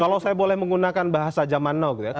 kalau saya boleh menggunakan bahasa zaman now gitu ya